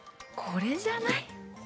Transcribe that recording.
「これじゃない？」